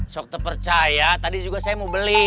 sok terpercaya tadi juga saya mau beli